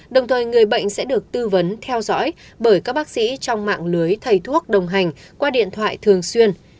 đồng thời người bệnh sẽ được tư vấn theo dõi bởi các bác sĩ trong mạng lưới thầy thuốc đồng hành qua điện thoại thường xuyên